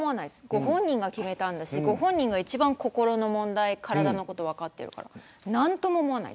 ご本人が決めたんだしご本人が一番心の問題体のこと分かってるから。